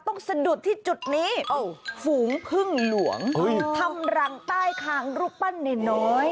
สะดุดที่จุดนี้ฝูงพึ่งหลวงทำรังใต้คางรูปปั้นเนน้อย